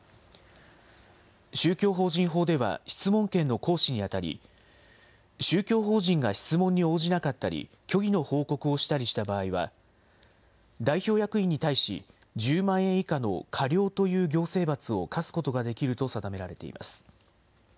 宗教法人法では、質問権の行使にあたり、宗教法人が質問に応じなかったり虚偽の報告をしたりした場合は、代表役員に対し、１０万円以下の過料という行政罰を科すことができると定められています。